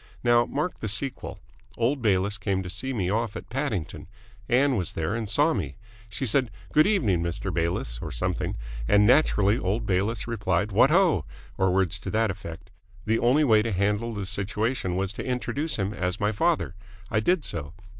Now mark the sequel. Old Bayliss came to see me off at Paddington. Ann was there and saw me. She said 'Good evening, Mr. Bayliss' or something, and naturally old Bayliss replied 'What ho!' or words to that effect. The only way to handle the situation was to introduce him as my father. I did so.